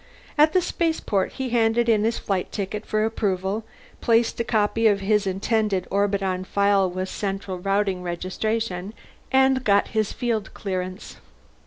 At the spaceport he handed in his flight ticket for approval, placed a copy of his intended orbit on file with Central Routing Registration, and got his field clearance.